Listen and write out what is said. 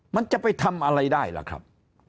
มันจะไปทำอะไรได้ล่ะครับ